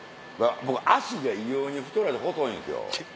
僕足が異様に太らず細いんですよ。